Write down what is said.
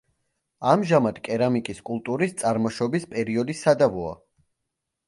ამჟამად კერამიკის კულტურის წარმოშობის პერიოდი სადავოა.